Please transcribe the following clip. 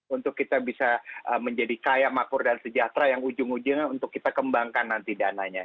untuk kita bisa menjadi kaya makmur dan sejahtera yang ujung ujungnya untuk kita kembangkan nanti dananya